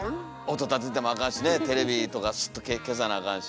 音立ててもあかんしねテレビとかスッと消さなあかんし。